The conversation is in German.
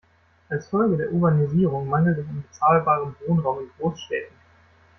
Als Folge der Urbanisierung mangelt es an bezahlbarem Wohnraum in Großstädten.